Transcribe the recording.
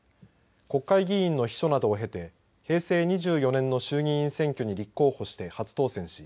国会議員の秘書などを経て平成２４年の衆議院選挙に立候補して初当選し